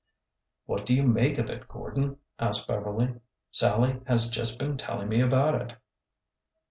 " "What do you make of it, Gordon?" asked Beverly. " Sallie has just been telling me about it."